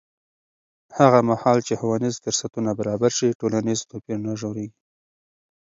هغه مهال چې ښوونیز فرصتونه برابر شي، ټولنیز توپیر نه ژورېږي.